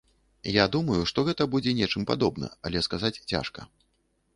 Я думаю, што гэта будзе нечым падобна, але сказаць цяжка.